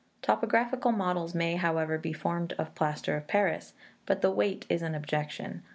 Topographical models may, however, be formed of plaster of Paris, but the weight is an objection.